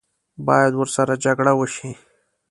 باید ورسره جګړه وشي.